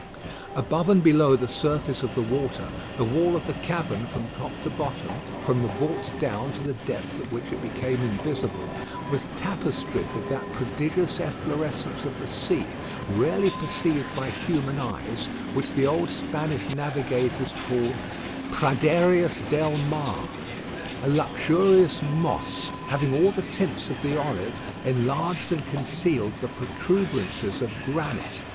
Above and below the surface of the water, the wall of the cavern from top to bottom from the vault down to the depth at which it became invisible was tapestried with that prodigious efflorescence of the sea, rarely perceived by human eyes, which the old Spanish navigators called praderias del mar. A luxuriant moss, having all the tints of the olive, enlarged and concealed the protuberances of granite.